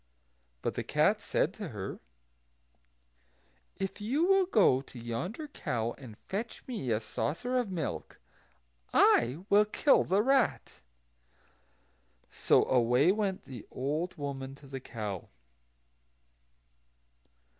But the cat said to her, "If you will go to yonder cow, and fetch me a saucer of milk, I will kill the rat." So away went the old woman to the cow.